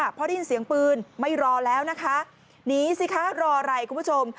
พอได้ยินเสียงปืนไม่รอแล้วนะคะหนีสิคะรออะไรคุณผู้ชม